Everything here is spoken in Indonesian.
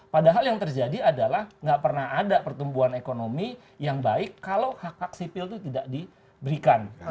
padahal yang terjadi adalah nggak pernah ada pertumbuhan ekonomi yang baik kalau hak hak sipil itu tidak diberikan